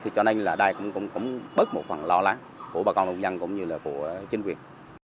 cho nên là đây cũng bớt một phần lo lắng của bà con nông dân cũng như là của chính quyền